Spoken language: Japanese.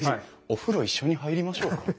「お風呂一緒に入りましょうか」？